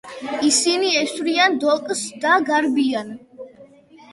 ისინი ესვრიან დოკს და გარბიან.